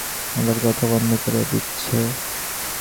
আবার কথা বন্ধ করে দিচ্ছে।